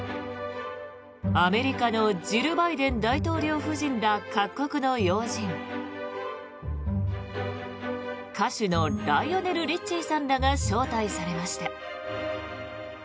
アメリカのジル・バイデン大統領夫人ら各国の要人歌手のライオネル・リッチーさんらが招待されました。